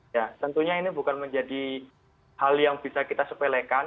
ya tentunya ini bukan menjadi hal yang bisa kita sepelekan